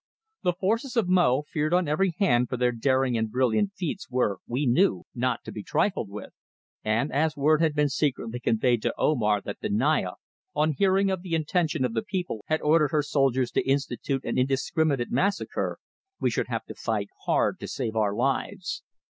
The forces of Mo, feared on every hand for their daring and brilliant feats were, we knew, not to be trifled with, and as word had been secretly conveyed to Omar that the Naya, on hearing of the intention of the people, had ordered her soldiers to institute an indiscriminate massacre, we should have to fight hard to save our lives.